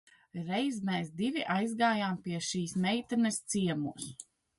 Reiz mēs divi aizgājām pie šīs meitenes ciemos.